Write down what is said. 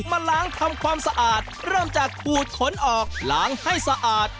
มาล้างทำความสะอาดเริ่มจากขูดขนออกล้างให้สะอาด